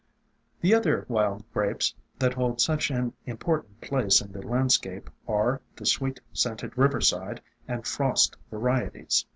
The other Wild Grapes that hold such an im portant place in the landscape are the Sweet scented Riverside, and Frost varieties.